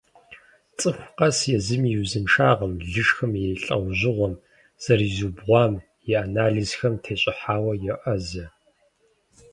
ЦӀыху къэс езым и узыншагъэм, лышхым и лӀэужьыгъуэм, зэрызиубгъуам, и анализхэм тещӀыхьауэ йоӀэзэ.